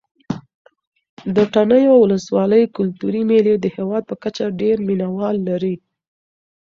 د تڼیو ولسوالۍ کلتوري مېلې د هېواد په کچه ډېر مینه وال لري.